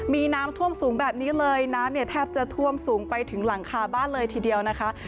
มีน้ำท่วมสูงแบบนี้เลยน้ำเนี่ยแทบจะท่วมสูงไปถึงหลังคาบ้านเลยทีเดียวนะคะ